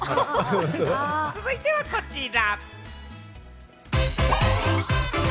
続いては、こちら。